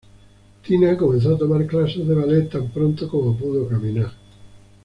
Tina comenzó a tomar clases de ballet tan pronto como pudo caminar.